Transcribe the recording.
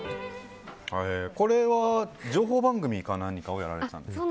これは情報番組か何かをやられていたんですか？